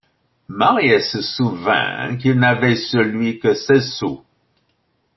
Marius se souvint qu’il n’avait sur lui que seize sous.